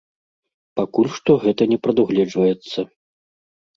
Пакуль што гэта не прадугледжваецца.